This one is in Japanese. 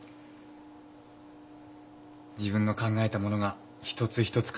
自分の考えたものが一つ一つ形になっていき